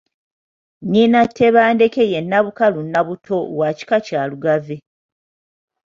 Nnyina Tebandeke ye Nnabukalu Nnabbuto wa kika kya Lugave.